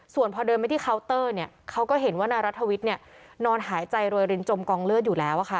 ส่วนพอเดินไปที่เคาน์เตอร์เนี่ยเขาก็เห็นว่านายรัฐวิทย์นอนหายใจโรยรินจมกองเลือดอยู่แล้วค่ะ